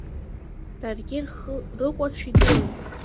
Даргьы рхы рыкәаҽ игылан.